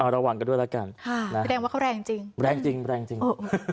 ระวังกันด้วยแล้วกันแสดงว่าเขาแรงจริงแรงจริงแรงจริง